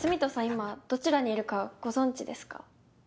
今どちらにいるかご存じですか？